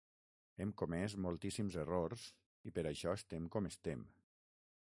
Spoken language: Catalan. Hem comès moltíssims errors i per això estem com estem.